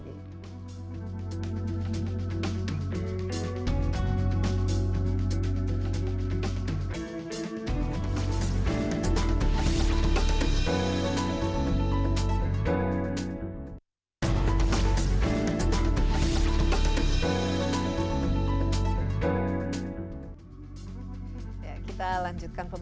tapi juga keamanan ekonomi